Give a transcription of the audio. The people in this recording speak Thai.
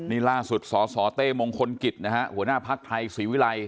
นี่ล่าสุดสสเต้มงคลกิจหัวหน้าภาคไทยสวีวิรัย